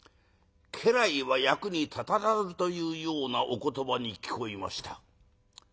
家来は役に立たずというようなお言葉に聞こえました。